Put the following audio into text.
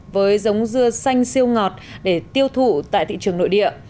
với giống dưa xanh siêu ngọt để tiêu thụ tại thị trường nội địa